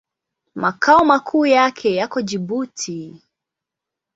Makao makuu yake yako Jibuti.